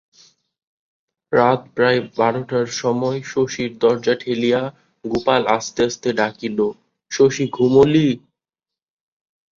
রাত প্রায় বারোটার সময় শশীর দরজা ঠেলিয়া গোপাল আস্তে আস্তে ডাকিল, শশী ঘুমোলি?